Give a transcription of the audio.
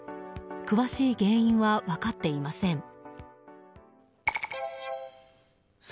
詳しい原因は分かっていません。